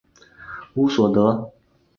乌索德。